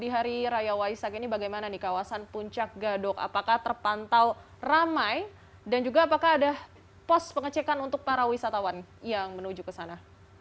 di hari raya waisak ini bagaimana di kawasan puncak gadok apakah terpantau ramai dan juga apakah ada pos pengecekan untuk para wisatawan yang menuju ke sana